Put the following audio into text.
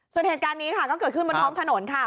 ส่วนเหตุการณ์นี้ค่ะก็เกิดขึ้นบนท้องถนนค่ะ